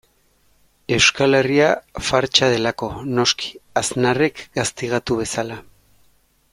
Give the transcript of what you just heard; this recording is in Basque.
Euskal Herria fartsa delako, noski, Aznarrek gaztigatu bezala.